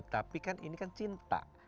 tapi kan ini kan cinta